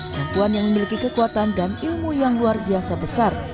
perempuan yang memiliki kekuatan dan ilmu yang luar biasa besar